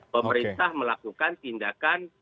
pemerintah melakukan tindakan